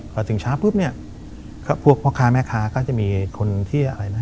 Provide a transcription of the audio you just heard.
พอถึงเช้าปุ๊บเนี่ยก็พวกพ่อค้าแม่ค้าก็จะมีคนที่อะไรนะ